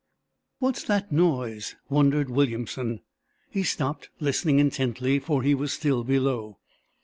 "What's that noise?" wondered Williamson. He stopped, listening intently, for he was still below.